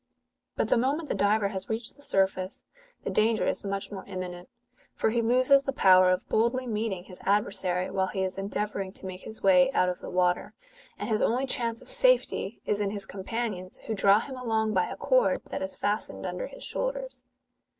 But the mo ment the diver has reached the surface, the danger is much more imminent ; for he loses the power of boldly meeting his adversary while he is endeavouiing to make his way out of the water, and his only chance of safety is in his companions, who draw him along by a cord that is fastened under his shoulders.